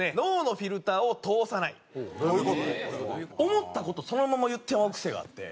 思った事そのまま言ってまう癖があって。